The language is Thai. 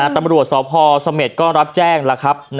ตำรวจสพเสม็ดก็รับแจ้งแล้วครับ